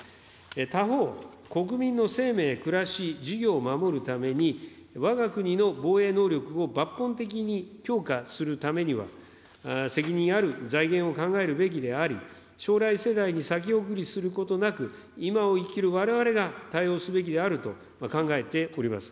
他方、国民の生命、暮らし、事業を守るために、わが国の防衛能力を抜本的に強化するためには、責任ある財源を考えるべきであり、将来世代に先送りすることなく、今を生きるわれわれが対応すべきであると考えております。